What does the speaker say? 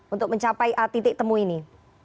untuk mencapai titik temu ini